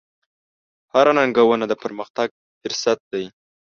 هره ننګونه د پرمختګ فرصت دی.